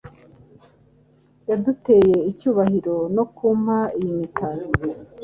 Yaduteye icyubahiro no kumpa iyi mitako